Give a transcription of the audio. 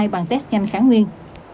bằng test nhanh kháng nguyên